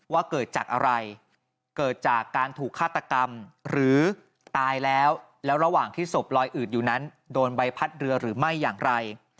ว่าเกิดจากอะไรเกิดจากการถูกฆาตกรรมหรือตายแล้วแล้วระหว่างที่ศพลอยอืดอยู่นั้นโดนใบพัดเรือหรือไม่อย่างไร